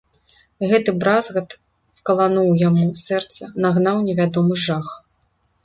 Гэты бразгат скалануў яму сэрца, нагнаў невядомы жах.